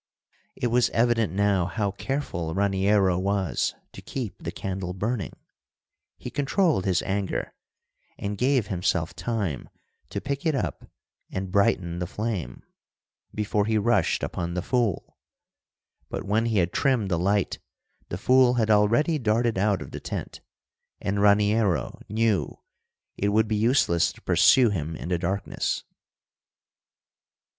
It was evident now how careful Raniero was to keep the candle burning. He controlled his anger and gave himself time to pick it up and brighten the flame, before he rushed upon the fool. But when he had trimmed the light the fool had already darted out of the tent, and Raniero knew it would be useless to pursue him in the darkness.